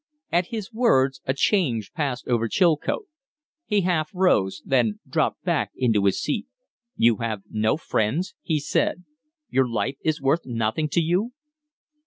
At his words a change passed over Chilcote. He half rose, then dropped back into his seat. "You have no friends?" he said. "Your life is worth nothing to you?"